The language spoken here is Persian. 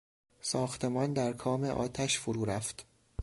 ساختمان در کام آتش فرو رفت.